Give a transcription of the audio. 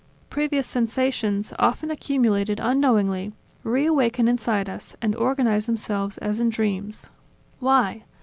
Previous sensations, often accumulated unknowingly, re awaken inside us, and organize themselves as in dreams. Why?